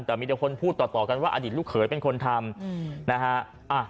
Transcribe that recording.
แต่มีเดียวคนพูดต่อกันว่าอดิตลูกเขยเป็นคนทำ